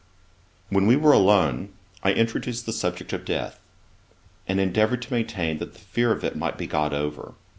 When we were alone, I introduced the subject of death, and endeavoured to maintain that the fear of it might be got over.